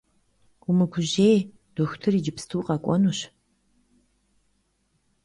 Умыгужьэй, дохутыр иджыпсту къэкӏуэнущ.